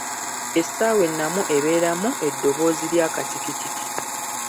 Essaawa ennamu ebeeramu eddoboozi ly'akatikitiki.